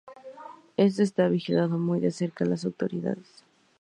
Esto está vigilando muy de cerca a las autoridades.